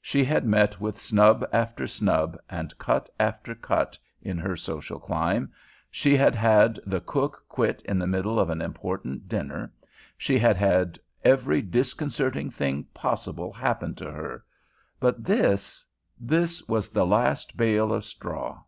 She had met with snub after snub, and cut after cut, in her social climb, she had had the cook quit in the middle of an important dinner, she had had every disconcerting thing possible happen to her, but this—this was the last bale of straw.